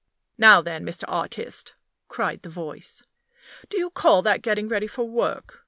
"Now, then, Mr. Artist," cried the voice, "do you call that getting ready for work?